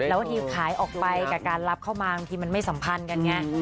แล้วบางทีขายออกไปกับการรับเข้ามาบางทีมันไม่สัมพันธ์กันไง